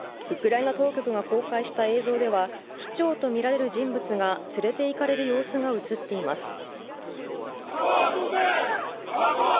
ウクライナ当局が公開した映像では市長とみられる人物が連れていかれる様子が映っています。